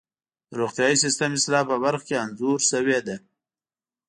د روغتیايي سیستم اصلاح په برخه کې انځور شوې ده.